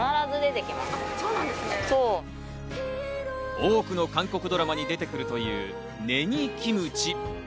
多くの韓国ドラマに出てくるというねぎキムチ。